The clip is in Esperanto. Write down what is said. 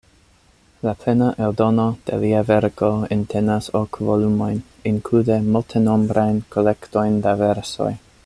La plena eldono de lia verko entenas ok volumojn, inklude multenombrajn kolektojn da versoj.